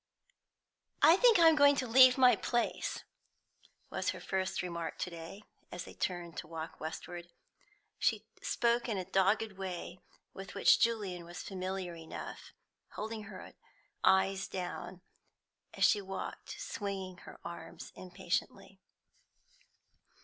"I think I'm going to leave my place," was her first remark to day, as they turned to walk westward. She spoke in a dogged way with which Julian was familiar enough, holding her eyes down, and, as she walked, swinging her arms impatiently.